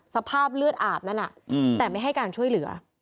สภาพเลือดอาบนั้นแต่ไม่ให้การช่วยเหลือ